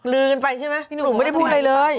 ลืมไปใช่ไหมหนุ่มไม่ได้พูดอะไรเลย